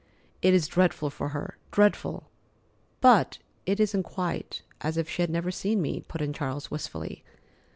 It is dreadful for her, dreadful!" "But it isn't quite as if she had never seen me," put in Charles wistfully.